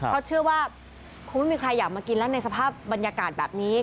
เขาเชื่อว่าคงไม่มีใครอยากมากินแล้วในสภาพบรรยากาศแบบนี้